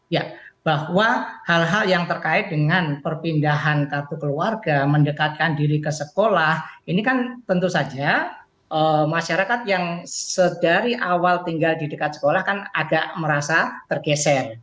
ya bahwa hal hal yang terkait dengan perpindahan kartu keluarga mendekatkan diri ke sekolah ini kan tentu saja masyarakat yang sedari awal tinggal di dekat sekolah kan agak merasa tergeser